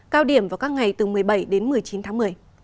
cao điểm vào các ngày từ một mươi bảy đến một mươi chín tháng một mươi